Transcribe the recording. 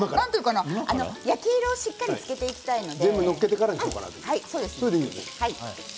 焼き色をしっかり付けていきたいので。